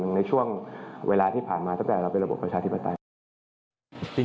ในช่วงเวลาที่ผ่านมาตั้งแต่เราเป็นระบบประชาธิปไตย